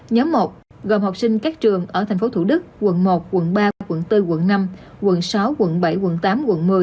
nhóm một gồm học sinh các trường ở tp thủ đức quận một quận ba quận bốn quận năm quận sáu quận bảy quận tám quận một mươi